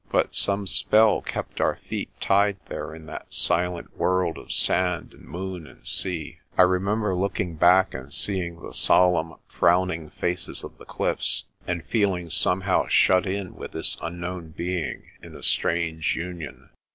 But some spell kept our feet tied there in that silent world of sand and moon and sea. I remember looking back and seeing the solemn, frowning faces of the cliffs, and feeling somehow shut in with this unknown being in a strange union.